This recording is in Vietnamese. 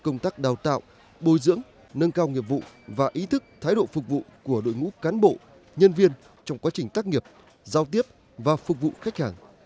nâng cao nghiệp vụ và ý thức thái độ phục vụ của đội ngũ cán bộ nhân viên trong quá trình tác nghiệp giao tiếp và phục vụ khách hàng